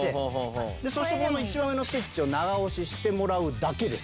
そしてこの一番上のスイッチを長押ししてもらうだけです。